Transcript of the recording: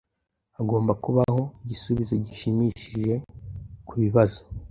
Hagomba kubaho igisubizo gishimishije kubibazo.